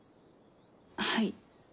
はい。